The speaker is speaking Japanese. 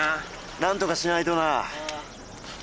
何とかしないとな。